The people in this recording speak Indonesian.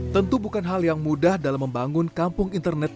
tentu bukan hal yang mudah dalam membangun kampung internet